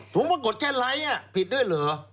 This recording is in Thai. ผมปรากฏแค่ไลค์ผิดด้วยเหรอ